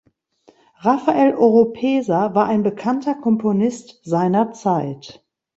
Rafael Oropesa war ein bekannter Komponist seiner Zeit.